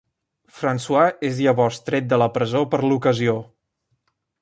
François és llavors tret de la presó per l'ocasió.